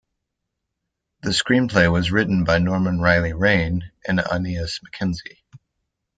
The screenplay was written by Norman Reilly Raine and Aeneas MacKenzie.